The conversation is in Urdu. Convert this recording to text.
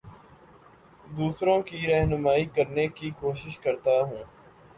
دوسروں کی رہنمائ کرنے کی کوشش کرتا ہوں